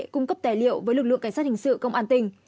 cung cấp tài liệu với lực lượng cảnh sát hình sự công an tỉnh